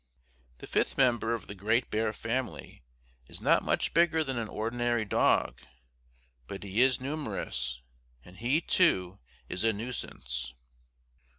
The fifth member of the great bear family is not much bigger than an ordinary dog; but he is numerous, and he, too, is a nuisance.